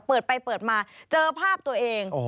เปิดไปเปิดมาเจอภาพตัวเอง